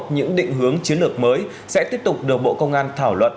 những định hướng chiến lược mới sẽ tiếp tục được bộ công an thảo luận